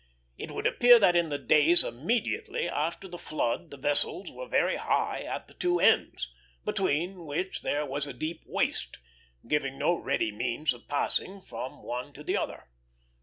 It would appear that in the days immediately after the flood the vessels were very high at the two ends, between which there was a deep "waist," giving no ready means of passing from one to the other.